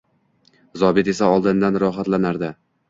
Zobit esa oldindan rohatlanardi